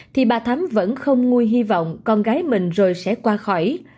thì bà thắm vẫn không nguôi hy vọng con gái mình rồi sẽ qua khỏi